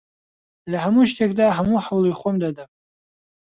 لە هەموو شتێکدا هەموو هەوڵی خۆم دەدەم.